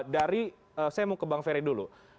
dari saya mau ke bang ferry dulu